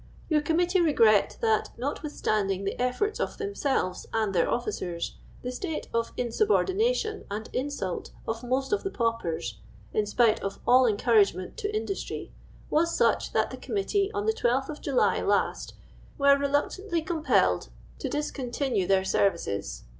Your Committee regret that, notwithstanding the efforts of themselves and their officers, the state of insubordination and insult of most of the paupers (in spite of all encouragement to industry) was such, that the Committee, on the 12th of July lost, were reluctantly compelled to discontinue their services.